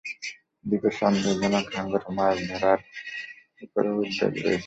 দ্বীপে সন্দেহজনক হাঙ্গর মাছ ধরার উপরও উদ্বেগ রয়েছে।